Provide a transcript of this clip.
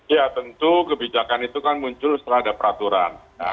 ya tentu kebijakan itu kan muncul setelah ada peraturan